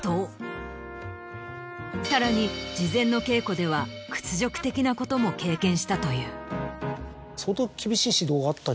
さらに事前の稽古では屈辱的なことも経験したという。